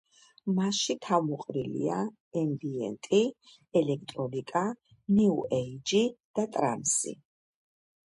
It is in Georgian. მასში თავმოყრილია ემბიენტი, ელექტრონიკა, ნიუ ეიჯი და ტრანსი.